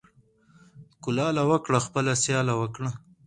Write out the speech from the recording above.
ـ کولاله وکړه خپله سياله وکړه.